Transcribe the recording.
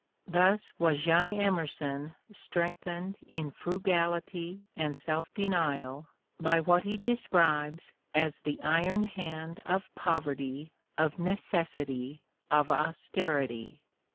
Thus was young Emerson strengthened in fru gality and self denial by what he describes as the iron hand of poverty, of necessity, of austerity.